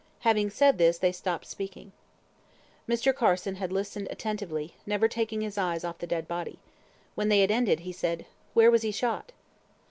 Having said this, they stopped speaking. Mr. Carson had listened attentively, never taking his eyes off the dead body. When they had ended, he said, "Where was he shot?"